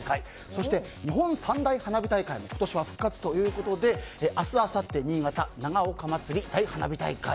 そして、日本三大花火大会も今年は復活ということで明日あさって新潟、長岡まつり大花火大会。